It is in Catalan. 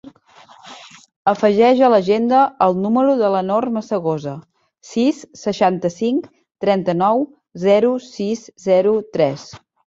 Afegeix a l'agenda el número de la Nor Masegosa: sis, seixanta-cinc, trenta-nou, zero, sis, zero, tres.